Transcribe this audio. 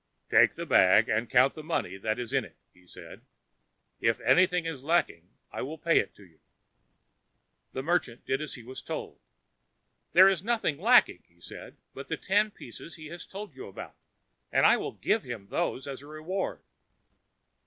"Take the bag and count the money that is in it," he said. "If anything is lacking, I will pay it to you." The merchant did as he was told. "There is nothing lacking," he said, "but the ten pieces he has told you about; and I will give him these as a reward."